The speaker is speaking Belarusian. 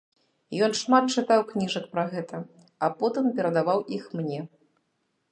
Ён шмат чытаў кніжак пра гэта, а потым перадаваў іх мне.